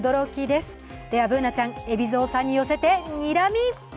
では、Ｂｏｏｎａちゃん、海老蔵さんに寄せて、にらみ！